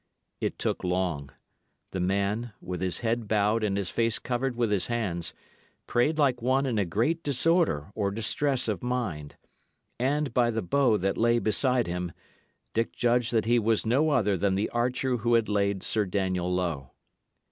It took long; the man, with his head bowed and his face covered with his hands, prayed like one in a great disorder or distress of mind; and by the bow that lay beside him, Dick judged that he was no other than the archer who had laid Sir Daniel low.